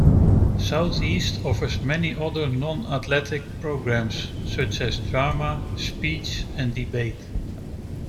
Southeast offers many other non-athletic programs, such as drama, speech, and debate.